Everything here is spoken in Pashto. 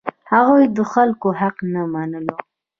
هغوی د خلکو حق نه منلو.